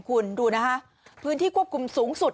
คุณดูนะคะพื้นที่ควบคุมสูงสุด